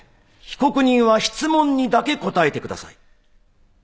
被告人は質問にだけ答えてください。